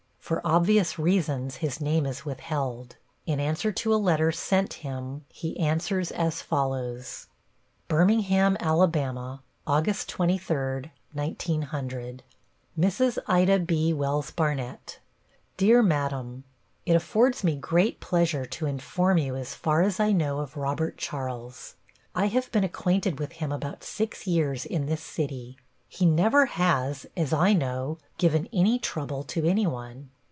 For obvious reasons, his name is withheld. In answer to a letter sent him he answers as follows: New Orleans, Aug. 23, 1900 Mrs. Ida B. Wells Barnett: Dear Madam It affords me great pleasure to inform you as far as I know of Robert Charles. I have been acquainted with him about six years in this city. He never has, as I know, given any trouble to anyone.